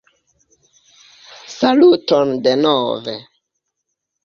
Saluton denove!